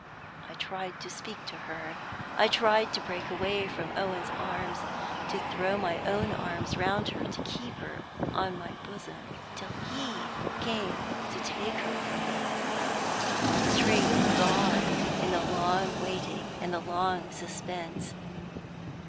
I tried to speak to her; I tried to break away from Owen's arms, to throw my own arms round her, to keep her on my bosom, till he came to take her from me. But all my strength had gone in the long waiting and the long suspense.